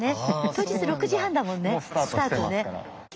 当日６時半だもんねスタートね。